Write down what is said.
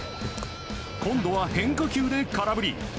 今度は変化球で空振り。